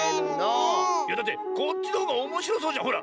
いやだってこっちのほうがおもしろそうじゃんほら。